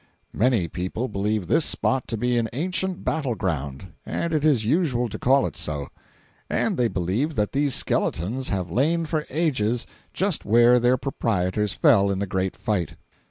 Many people believe this spot to be an ancient battle ground, and it is usual to call it so; and they believe that these skeletons have lain for ages just where their proprietors fell in the great fight.